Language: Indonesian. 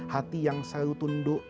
hati yang selalu tunduk